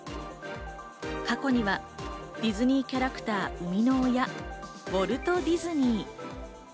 過去には、ディズニーキャラクター生みの親、ウォルト・ディズニー。